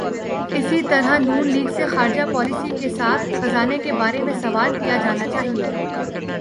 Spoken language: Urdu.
اسی طرح ن لیگ سے خارجہ پالیسی کے ساتھ خزانے کے بارے میں سوال کیا جانا چاہیے۔